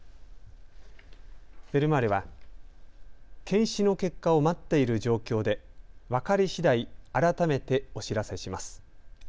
ベルマーレは検視の結果を待っている状況で分かりしだい改めてお知らせします。